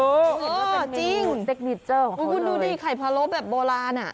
เออจริงคุณดูดิไข่พะโล้แบบโบราณน่ะคุณเห็นว่าเป็นเมนูเต็กนิเจอร์ของเขาเลย